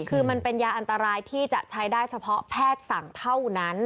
คือมันเป็นยาอันตรายที่จะใช้ได้เฉพาะแพทย์สั่งเท่านั้น